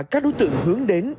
các đối tượng hướng đến